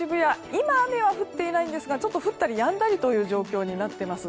今、雨は降っていないんですが降ったりやんだりという状況になっています。